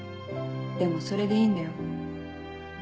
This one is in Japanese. でもそれでいいんだよ。